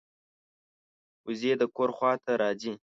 وزې د کور خوا ته راځي